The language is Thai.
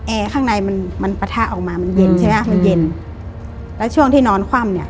แอร์ข้างในมันมันปะทะออกมามันเย็นใช่ไหมมันเย็นแล้วช่วงที่นอนคว่ำเนี้ย